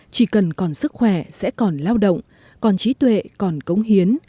chỉ cần còn sức khỏe sẽ còn lao động còn trí tuệ còn cống hiến